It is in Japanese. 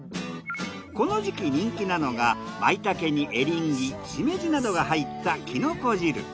この時期人気なのがまいたけにエリンギしめじなどが入ったきのこ汁。